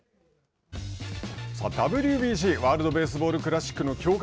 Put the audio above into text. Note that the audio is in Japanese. ＷＢＣ＝ワールド・ベースボール・クラシックの強化